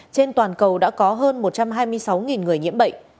trên toàn cầu đã có hơn một trăm hai mươi sáu người nhiễm bệnh